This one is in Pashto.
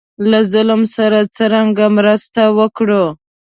له ظالم سره څرنګه مرسته وکړو.